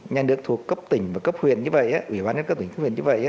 nhà nước thuộc cấp tỉnh và cấp huyện như vậy